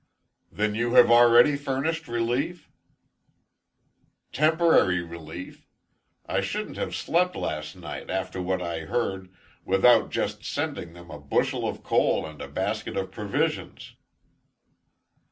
"Then you have already furnished relief?" "Temporary relief. I shouldn't have slept last night, after what I heard, without just sending them a bushel of coal, and a basket of provisions."